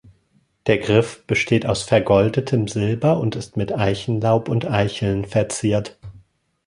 Der Griff besteht aus vergoldetem Silber und ist mit Eichenlaub und Eicheln verziert.